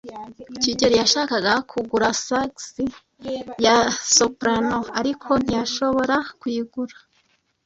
kigeli yashakaga kugura sax ya soprano, ariko ntiyashobora kuyigura.